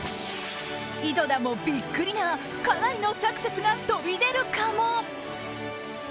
井戸田もビックリなかなりのサクセスが飛び出るかも。